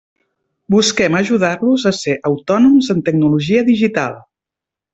Busquem ajudar-los a ser autònoms en tecnologia digital.